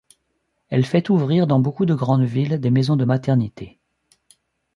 Elle fait ouvrir dans beaucoup de grandes villes des maisons de maternité.